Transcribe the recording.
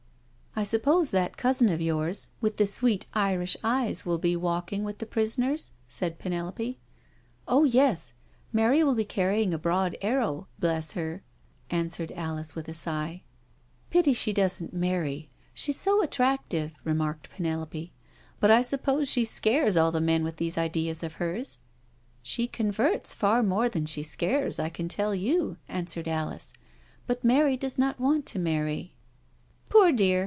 " I suppose that cousin of yours, with the sweet 3i8 NO SURRENDER Irish eyes, will be walking with the Prisoners?*' said Penelope. •• Oh yes — Mary will be carrying a broad arrow, bless her/' answered Alice with a sigh. *• Pity she doesn't marry, she's so attractive," re marked Penelope, " but I suppose she scares all the men with these ideas of hers "" She converts far more than she scares, I can tell you," answered Alice; "but Mary does not want to marry " "Poor dear!'